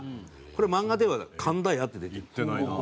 これ漫画では神田屋って出て。